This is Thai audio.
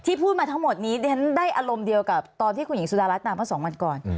พูดมาทั้งหมดนี้ดิฉันได้อารมณ์เดียวกับตอนที่คุณหญิงสุดารัฐมาเมื่อสองวันก่อน